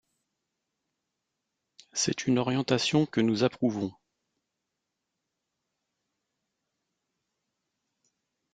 C’est une orientation que nous approuvons.